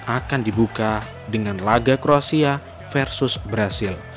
akan dibuka dengan laga kroasia versus brazil